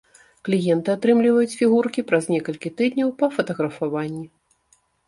Кліенты атрымліваюць фігуркі праз некалькі тыдняў па фатаграфаванні.